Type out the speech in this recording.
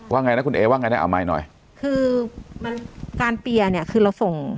ว่าไงนะคุณเอ๊ะว่าไงนะอ่ะมายหน่อยคือมันการเปลี่ยเนี้ยคือเราส่ง